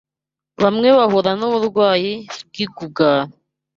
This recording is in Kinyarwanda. Bamwe bahura n’uburwayi bw’igugara.